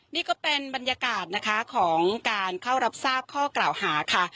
นี่ก็เป็นบรรยากาศนะคะของการเข้ารับทราบข้อกล่าวหาค่ะ